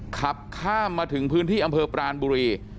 ขับข้ามมาถึงพื้นที่อำเภอปรานบุรี